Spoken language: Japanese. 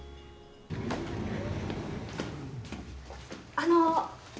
あの。